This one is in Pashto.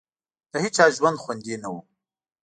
د هېچا ژوند خوندي نه وو.